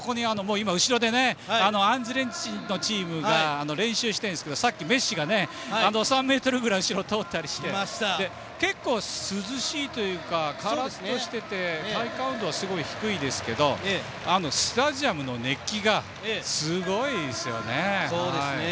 今、後ろでアルゼンチンチームが練習していますがさっきメッシが３ｍくらい後ろを通ったりして結構、涼しいというかカラッとしていて体感温度は低いですけどスタジアムの熱気がすごいですね。